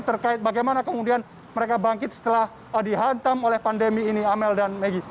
terkait bagaimana kemudian mereka bangkit setelah dihantam oleh pandemi ini amel dan megi